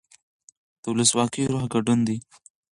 د ولسواکۍ روح ګډون دی